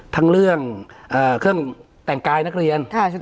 ทั้งเรื่องเครื่องแต่งกายนักเรียน